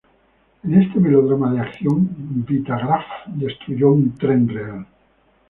En este melodrama de acción Vitagraph destruyó un tren real.